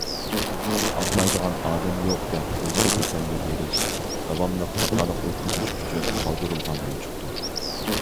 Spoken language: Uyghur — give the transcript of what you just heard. ئازمايدىغان ئادەم يوق دەپ ئۆزىگە تەسەللى بېرىش — داۋاملىق خاتالىق ئۆتكۈزۈش ئۈچۈن قالدۇرۇلغان يوچۇقتۇر.